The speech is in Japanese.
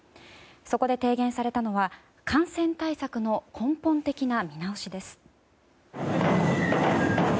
そこで提言されたのは感染対策の根本的な見直しです。